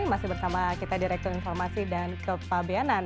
masih bersama kita direktur informasi dan kepabianan